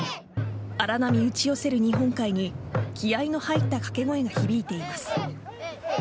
荒波打ち寄せる日本海に気合の入った掛け声が響いています。